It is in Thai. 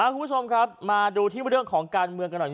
คุณผู้ชมครับมาดูที่เรื่องของการเมืองกันหน่อย